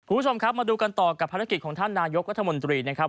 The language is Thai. คุณผู้ชมครับมาดูกันต่อกับภารกิจของท่านนายกรัฐมนตรีนะครับ